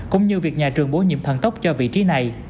cũng như việc nhà trường bổ nhiệm thần tốc cho vị trí này